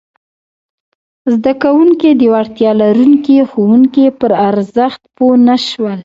زده کوونکي د وړتیا لرونکي ښوونکي پر ارزښت پوه نه شول!